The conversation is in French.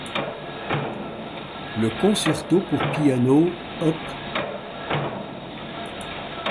Le Concerto pour piano op.